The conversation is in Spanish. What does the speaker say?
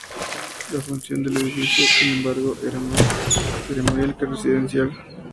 La función del edificio, sin embargo, era más ceremonial que residencial.